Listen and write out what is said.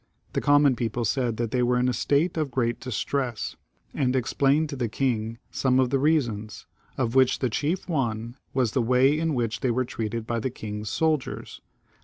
The common people said that they were in a state of great distress, and explained to the XXXII.] CHARLES VIIL 226 king some of the reasons, of which the chief one was the way in which they were treated by the king's soldiers.